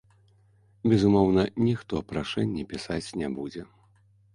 Безумоўна, ніхто прашэнне пісаць не будзе.